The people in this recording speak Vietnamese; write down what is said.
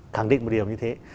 khẳng định một điều như thế